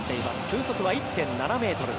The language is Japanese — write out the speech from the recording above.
風速は１．７ｍ。